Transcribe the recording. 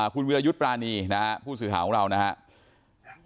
คุณวิรายุทธ์ปรานีนะครับผู้สื่อข่าวของเรานะครับ